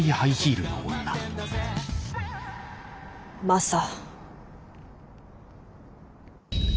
マサ。